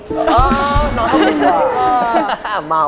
อ๋อน้องน้องนิเทศเหรอ